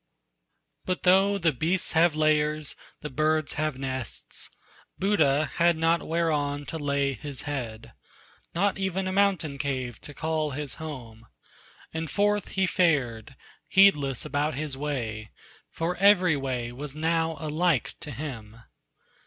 But though the beasts have lairs, the birds have nests, Buddha had not whereon to lay his head, Not even a mountain cave to call his home; And forth he fared, heedless about his way For every way was now alike to him.